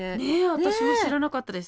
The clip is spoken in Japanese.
私も知らなかったです。